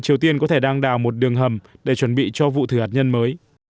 triều tiên có thể đang đào một đường hầm để chuẩn bị cho vụ thử hạt nhân mới